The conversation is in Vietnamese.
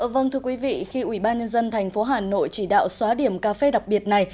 vâng thưa quý vị khi ủy ban nhân dân tp hà nội chỉ đạo xóa điểm cà phê đặc biệt này